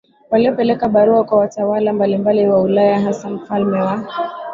waliopeleka barua kwa watawala mbalimbali wa Ulaya hasa mfalme wa